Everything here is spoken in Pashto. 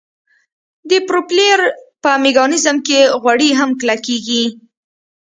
د پروپیلر په میکانیزم کې غوړي هم کلکیږي